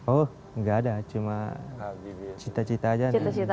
oh nggak ada cuma cita cita aja